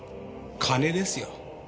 金ですよ。